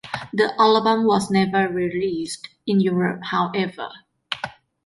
The album was never released in Europe, however.